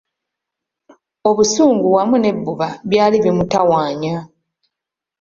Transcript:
Obusungu wamu n'ebbuba byali bimutawaanya.